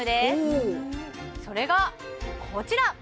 おおそれがこちら！